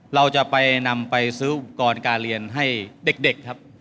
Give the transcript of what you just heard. เราจะไปนำไปซื้ออุปกรณ์การเรียนให้เด็กครับ